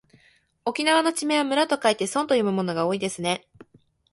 沖縄の地名は村と書いてそんと読むものが多いですね。